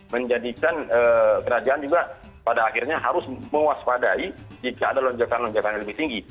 menjadikan kerajaan juga pada akhirnya harus mewaspadai jika ada lonjakan lonjakan yang lebih tinggi